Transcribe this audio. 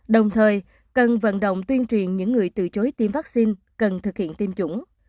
đồng thời cần vận động tuyên truyền những người từ chối tiêm vaccine cần thực hiện tiêm chủng